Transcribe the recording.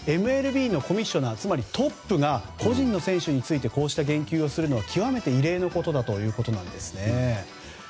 ＭＬＢのコミッショナーつまりトップが個人の選手についてこうして言及するのは、極めて異例のことだというんですね。